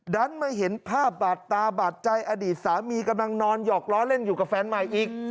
ดันมาเห็นภาพบาดตาบาดใจอดีตสามีกำลังนอนหยอกล้อเล่นอยู่กับแฟนใหม่อีก